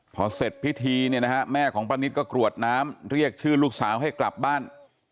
พอเสร็จพิธีเนี่ยนะฮะแม่ของป้านิตก็กรวดน้ำเรียกชื่อลูกสาวให้กลับบ้าน